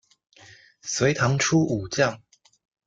隋唐初武将。